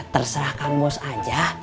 terserah kang bos aja